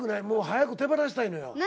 もう早く手放したいのよ。